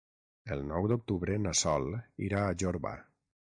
El nou d'octubre na Sol irà a Jorba.